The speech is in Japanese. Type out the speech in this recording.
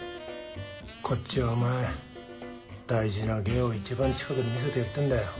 こっちはお前大事な芸を一番近くで見せてやってんだよ。